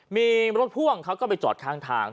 มีรถพ่วงเขาก็ไปจอดข้างทาง